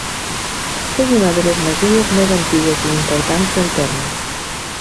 És una de les masies més antigues i importants del terme.